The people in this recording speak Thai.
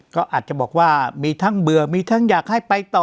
ก็อาจจะบอกว่ามีทั้งเบื่อมีทั้งอยากให้ไปต่อ